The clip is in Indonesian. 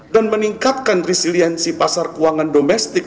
dan meningkatkan resiliensi pasar keuangan domestik